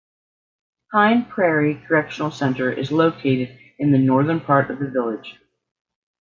Pine Prairie Correctional Center is located in the northern part of the village.